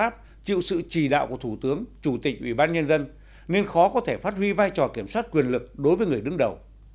các cơ quan hành pháp chịu sự trì đạo của thủ tướng chủ tịch ủy ban nhân dân nên khó có thể phát huy vai trò kiểm soát quyền lực đối với người đứng đầu